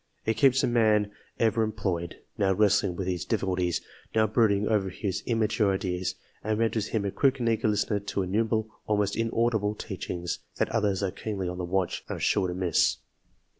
It keeps a man ever employed ow wrestling with his difficulties, now brooding over his immature ideas and renders him a quick and eager listener to innumerable, almost inaudible teachings, that others less keenly on the watch, are sure to miss.